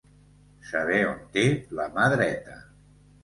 Saber on té la mà dreta.